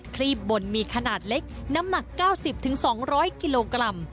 รีบบนมีขนาดเล็กน้ำหนัก๙๐๒๐๐กิโลกรัม